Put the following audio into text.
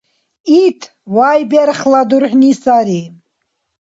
Ит вайберхла дурхӏни сари.